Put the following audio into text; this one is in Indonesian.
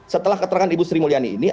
setelah keterangan ibu sri mulyani ini